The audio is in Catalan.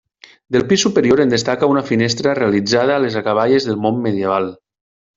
Del pis superior en destaca una finestra realitzada a les acaballes del món medieval.